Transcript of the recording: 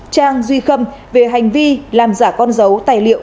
trang duy khâm về hành vi làm giả con dấu tài liệu